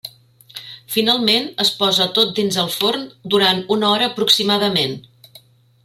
Finalment es posa tot dins el forn durant una hora aproximadament.